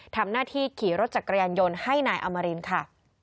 ทำหน้าที่ขี่รถจักรยานยนต์ให้นายอมรินค่ะ